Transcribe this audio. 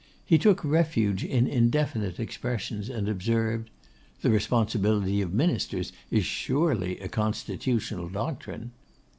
He took refuge in indefinite expressions, and observed, 'The Responsibility of Ministers is surely a constitutional doctrine.